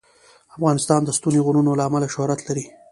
افغانستان د ستوني غرونه له امله شهرت لري.